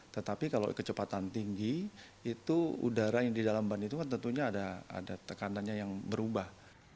tetapi kalau kecepatan tinggi itu udara yang di dalam ban itu kan tentunya ada tekanannya yang berubah